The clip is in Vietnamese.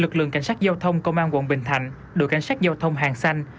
lực lượng cảnh sát giao thông công an quận bình thạnh đội cảnh sát giao thông hàng xanh